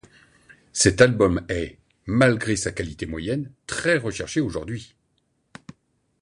Cet album est, malgré sa qualité moyenne, très recherché aujourd'hui.